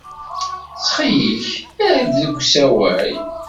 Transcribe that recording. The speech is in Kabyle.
Ttxil-k, err deg usawal.